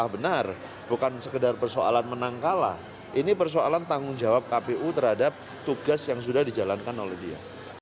benar bukan sekedar persoalan menang kalah ini persoalan tanggung jawab kpu terhadap tugas yang sudah dijalankan oleh dia